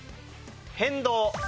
変動。